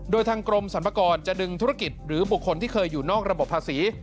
โดยทางกรมสรรพากรจะดึงธุรกิจหรือบุคคลที่เคยอยู่นอกระบบภาษี